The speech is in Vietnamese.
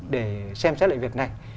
để xem xét lại việc này